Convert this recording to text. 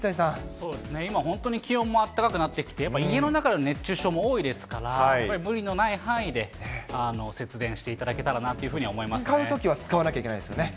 今、本当に気温もあったかくなってきて、やっぱ家の中の熱中症も多いですから、やっぱり無理のない範囲で節電していただけたらなというふうに思使うときは使わないといけないですよね。